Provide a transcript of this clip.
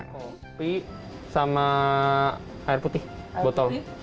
kopi sama air putih botol